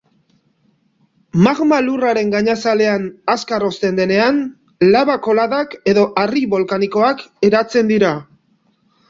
Magma Lurraren gainazalean azkar hozten denean, laba-koladak edo harri bolkanikoak eratzen dira.